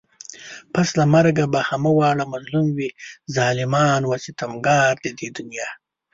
پس له مرگه به همه واړه مظلوم وي ظالمان و ستمگار د دې دنيا